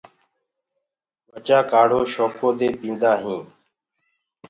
ٻچآ ڪآڙهو شوڪو دي پيندآ هينٚ۔